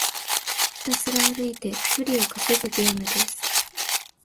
ひたすら歩いて距離を稼ぐゲームです。